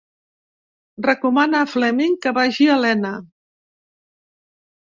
Recomana a Fleming que vagi a Lena.